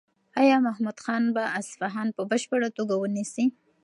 ایا محمود خان به اصفهان په بشپړه توګه ونیسي؟